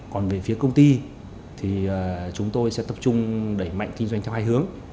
còn về phía công ty thì chúng tôi sẽ tập trung đẩy mạnh kinh doanh theo hai hướng